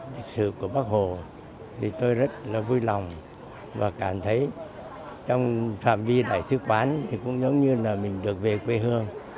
lịch sử của bác hồ thì tôi rất là vui lòng và cảm thấy trong phạm vi đại sứ quán thì cũng giống như là mình được về quê hương